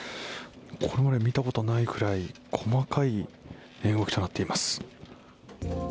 これまで見たことないくらい細かい値動きとなっています。